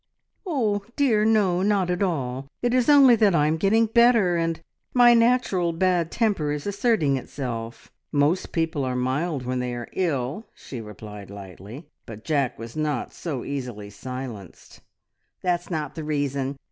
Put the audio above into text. "Oh dear no, not at all. It is only that I am getting better, and my natural bad temper is asserting itself. Most people are mild when they are ill," she replied lightly, but Jack was not so easily silenced. "That's not the reason.